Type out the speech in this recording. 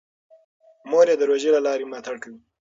مور یې د روژې له لارې ملاتړ کوي.